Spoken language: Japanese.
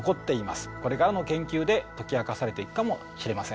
これからの研究で解き明かされていくかもしれません。